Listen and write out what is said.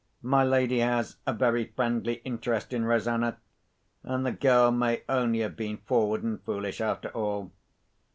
My lady has a very friendly interest in Rosanna; and the girl may only have been forward and foolish, after all.